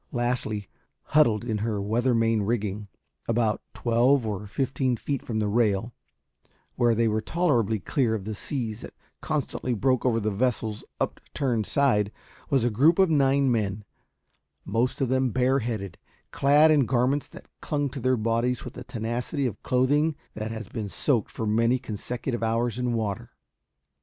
Lastly, huddled in her weather main rigging, about twelve or fifteen feet from the rail where they were tolerably clear of the seas that constantly broke over the vessel's upturned side was a group of nine men, most of them bareheaded, clad in garments that clung to their bodies with the tenacity of clothing that has been soaked for many consecutive hours in water.